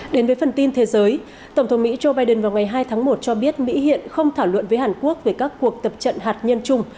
đến với phần tin thế giới tổng thống mỹ joe biden vào ngày hai tháng một cho biết mỹ hiện không thảo luận với hàn quốc về các cuộc tập trận hạt nhân chung